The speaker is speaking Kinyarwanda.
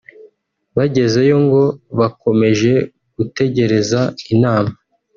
Bageze yo ngo bakomeje gutegereza inama